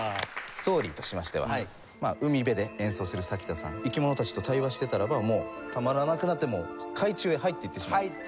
ストーリーとしましては海辺で演奏するサキタさん生き物たちと対話してたらばもうたまらなくなって海中へ入っていってしまう。